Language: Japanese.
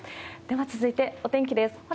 では続いて、お天気です。